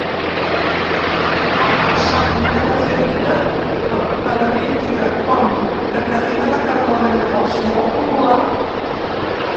Va pensar primer de fer vida eremítica, com Caterina de Cardona, llavors molt popular.